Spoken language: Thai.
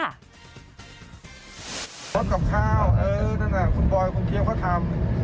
รถกับข้าวเออนั่นแหละคุณบอยคุณเคี้ยวเขาทำ